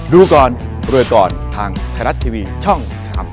ดูก่อนรวยก่อนทางไทยรัฐทีวีช่อง๓๒